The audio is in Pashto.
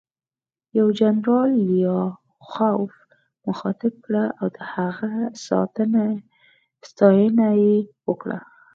یو جنرال لیاخوف مخاطب کړ او د هغه ستاینه یې وکړه